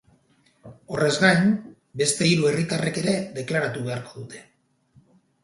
Horrez gain, beste hiru herritarrek ere deklaratu beharko dute.